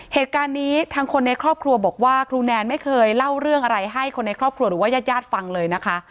เหตุการณ์นี้ทางคนในครอบครัวบอกว่าครูแนนไม่เคยเล่าเรื่องอะไรให้คนในครอบครัวหรือว่าญาติญาติฟังเลยนะคะ